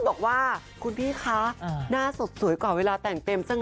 บอกว่าคุณพี่คะหน้าสดสวยกว่าเวลาแต่งเต็มซะเลย